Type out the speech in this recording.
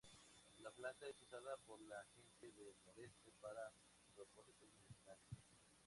La planta es usada por la gente del noroeste para propósitos medicinales.